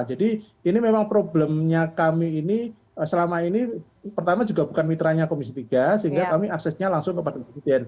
jadi ini memang problemnya kami ini selama ini pertama juga bukan mitranya komisi tiga sehingga kami aksesnya langsung kepada dpr